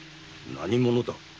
何者だ。